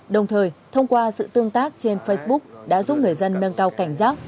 đồng thời thông qua sự tương tác trên facebook đã giúp người dân nâng cao cảnh giác